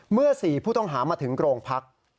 เมื่อ๔ผู้ต้องหามาถึงโรงพัก